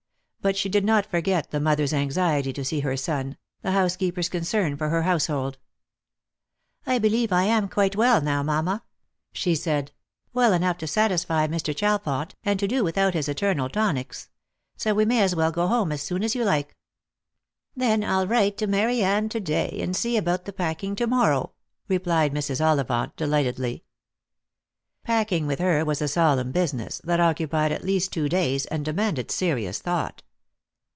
But she did not forget the mother's anxiety to see her son, the housekeeper's concern for her house hold. " I believe I am quite well now, mamma," she said ;" well enough to satisfy Mr. Chalfont, and to do without his eternal tonics ; so we may as well go home as soon as you like." " Then I'll write to Mary Anne to day, and see about the packing to morrow," replied Mrs. Ollivant delightedly. Lost for Love. 317 Packing with her was a solemn business, that occupied at least two days, and demanded serious thought.